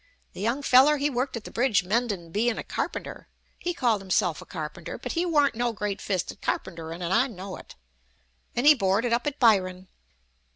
The young feller he worked at the bridge mendin', bein' a carpenter, he called himself a carpenter, but he warn't no great fist at carpenterin', an' I know it, and he boarded up at Byron.